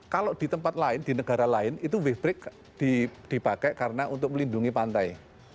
kalau di tempat lain di negara lain itu wave break dipakai karena untuk melindungi pantai